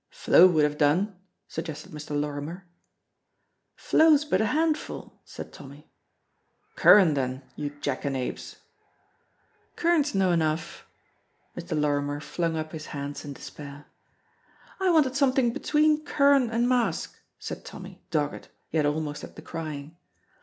"Flow would have done," suggested Mr. Lorrimer. "Flow's but a handful," said Tommy. "Curran, then, you jackanapes!" "Curran's no enough." Mr. Lorrimer flung up his hands in despair. "I wanted something between curran and mask," said Tommy, dogged, yet almost at the crying.